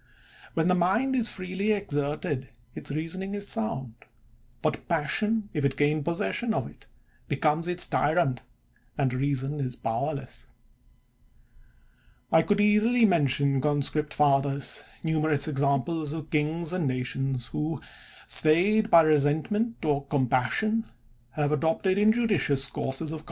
When the mind is freely ex erted, its reasoning is sound; but passion, if it gain possession of it, becomes its tyrant, and reason is powerless. I could easily mention, conscript fathers, nu merous examples of kings and nations, who, swayed by resentment or compassion, have adopted injudicious courses of conduct; but I > Deliyered in the Roman senate in 68 B.C.